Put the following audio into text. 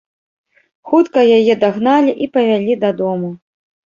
Хутка яе дагналі і павялі дадому.